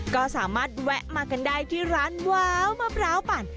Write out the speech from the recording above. ก็สามารถแวะมากันได้ที่ร้านว้าวมะพร้าวปั่น